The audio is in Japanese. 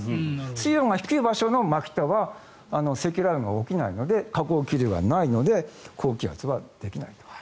水温が低い場所の真北は積乱雲が起きないので下降気流がないので高気圧はできないと。